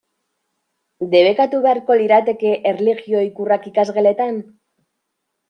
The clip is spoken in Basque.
Debekatu beharko lirateke erlijio ikurrak ikasgeletan?